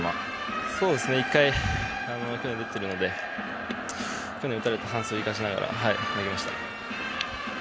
１回、去年出ているので去年打たれた反省を生かしながら投げました。